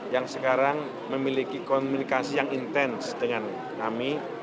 yang sekarang memiliki komunikasi yang intens dengan kami